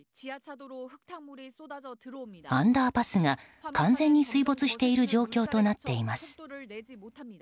アンダーパスが完全に水没している状況となっています。